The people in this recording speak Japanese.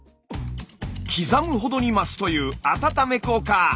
刻むほどに増すという温め効果。